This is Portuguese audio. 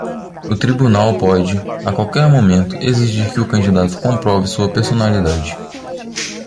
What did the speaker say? O tribunal pode, a qualquer momento, exigir que o candidato comprove sua personalidade.